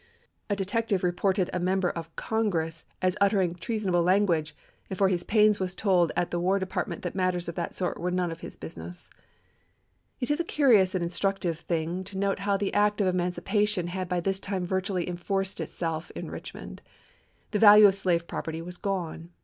A detective reported a Member of Congress as uttering treasonable lan "AR^ei guage, and for his pains was told at the War De War Clerk's Diary." partment that matters of that sort were none of Vol. II., * p. 390. his business. It is a curious and instructive thing to note how the act of emancipation had by this time virtually lacs. enforced itself in Eichmond. The value of slave property was gone.